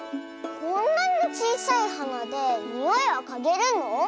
こんなにちいさいはなでにおいはかげるの？